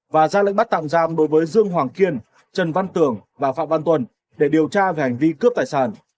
và ra lệnh bắt tạm giam đối với dương hoàng kiên trần văn tưởng và phạm văn tuần để điều tra về hành vi cướp tài sản